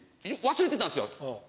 忘れてたんですよ。